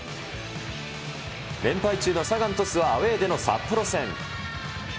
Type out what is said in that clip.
連敗中のサガン鳥栖はアウエーでの札幌戦。